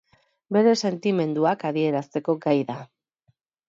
Bere sentimenduak adierazteko gai da.